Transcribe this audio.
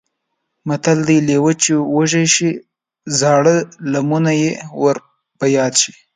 متل دی: لېوه چې وږی شي زاړه لمونه یې ور په یاد شي.